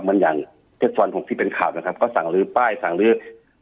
เหมือนอย่างเทควันหกที่เป็นข่าวนะครับก็สั่งลื้อป้ายสั่งลื้อ